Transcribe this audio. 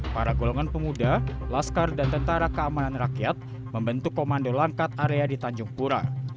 para golongan pemuda laskar dan tentara keamanan rakyat membentuk komando langkat area di tanjung pura